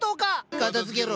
片づけろ。